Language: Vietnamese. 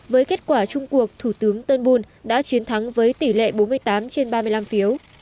với kết quả chung cuộc thủ tướng turnbul đã chiến thắng với tỷ lệ bốn mươi tám trên ba mươi năm phiếu